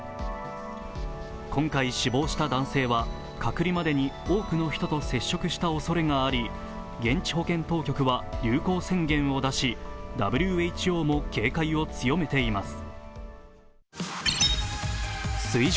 今回死亡した男性は、隔離までに多くの人と接触したおそれがあり、現地保健当局は流行宣言を出し、ＷＨＯも警戒を強めています。